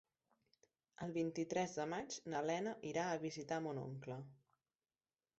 El vint-i-tres de maig na Lena irà a visitar mon oncle.